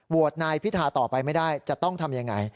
นายพิธาต่อไปไม่ได้จะต้องทำยังไง